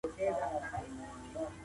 ځینې ناروغۍ هم خوب ګډوډوي.